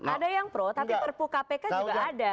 ada yang pro tapi perpu kpk juga ada